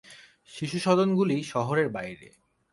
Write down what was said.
শিশুসদনগুলি শহরের বাইরে।